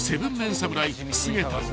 侍菅田］